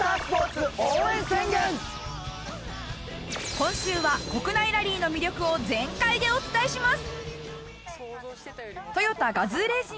今週は国内ラリーの魅力を全開でお伝えします。